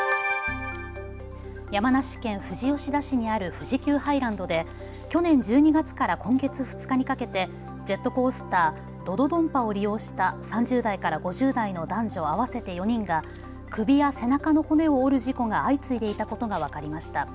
山梨県富士吉田市にある富士急ハイランドで去年１２月から今月２日にかけてジェットコースター、ド・ドドンパを利用した３０代から５０代の男女合わせて４人が首や背中の骨を折る事故が相次いでいたことが分かりました。